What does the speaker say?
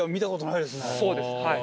そうですはい。